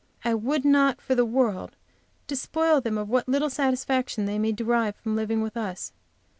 I would not for the world despoil them of what little satisfaction they may derive from living with us.